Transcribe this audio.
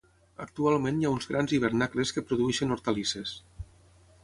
Actualment hi ha uns grans hivernacles que produeixen hortalisses.